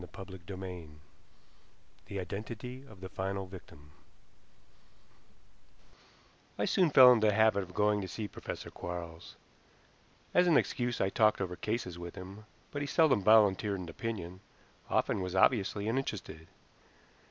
CHAPTER II THE IDENTITY OF THE FINAL VICTIM I soon fell into the habit of going to see Professor Quarles. As an excuse I talked over cases with him, but he seldom volunteered an opinion, often was obviously uninterested.